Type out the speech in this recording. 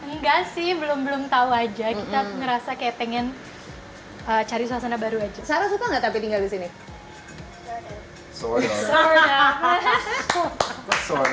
engga sih belum belum tau aja kita ngerasa kayak pengen cari suasana baru aja